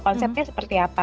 konsepnya seperti apa